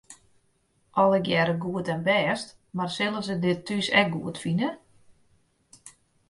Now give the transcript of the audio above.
Allegearre goed en bêst, mar sille se dit thús ek goed fine?